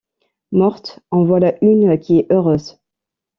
Morte! en voilà une qui est heureuse !